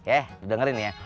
eh dengerin nih ya